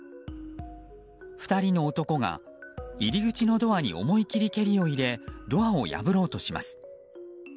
２人の男が入り口のドアに思い切り蹴りを入れドアを破ろうとします。